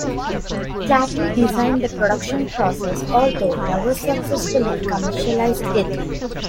Klatte designed the production process, although never successfully commercialised it.